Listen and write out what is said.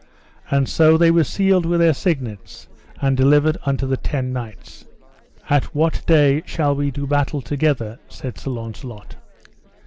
And so they were sealed with their signets, and delivered unto the ten knights. At what day shall we do battle together? said Sir Launcelot.